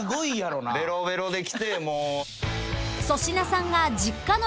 ベロベロで来てもう。